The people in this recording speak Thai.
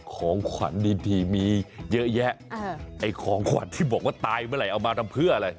ของขวัญดีมีเยอะแยะไอ้ของขวัญที่บอกว่าตายเมื่อไหร่เอามาทำเพื่ออะไร